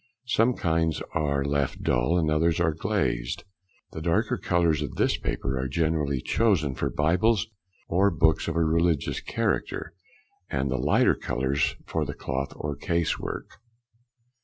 Some kinds are left dull and others are glazed. The darker colours of this paper are generally chosen for Bibles or books of a religious character, and the lighter colours for the cloth or case work.